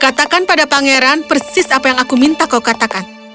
katakan pada pangeran persis apa yang aku minta kau katakan